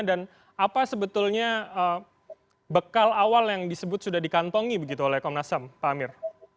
dan apa sebetulnya bekal awal yang disebut sudah dikantongi begitu oleh komnas ham pak amir